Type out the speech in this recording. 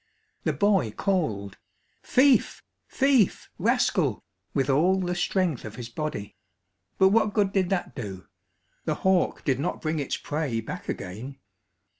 The boy called, "Thief! thief! rascal!" with all the strength of his body. But what good did that do? The hawk did not bring its prey back again.